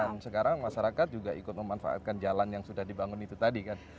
dan sekarang masyarakat juga ikut memanfaatkan jalan yang sudah dibangun itu tadi kan